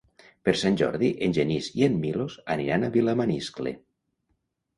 Per Sant Jordi en Genís i en Milos aniran a Vilamaniscle.